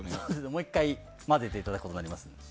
もう１回混ぜていただくことになります。